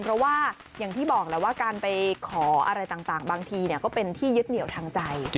เพราะว่าอย่างที่บอกแล้วว่าการไปขออะไรต่างบางทีก็เป็นที่ยึดเหนียวทางใจ